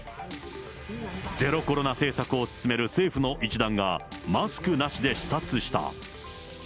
ゼロコロナ政策を進める政府の一団が、マスクなしで視察した。